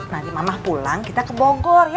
nanti mama pulang kita ke bogor